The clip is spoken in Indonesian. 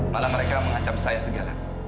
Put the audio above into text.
malah mereka mengancam saya segala